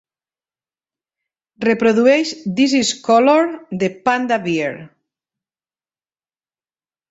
Reprodueix This Is Color de Panda Bear